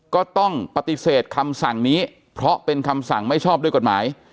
ก็ต้องปฏิเสธคำสั่งนี้เพราะเป็นคำสั่งไม่ชอบด้วยกฎหมาย